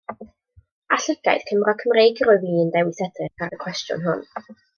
Â llygaid Cymro Cymreig yr wyf i yn dewis edrych ar y cwestiwn hwn.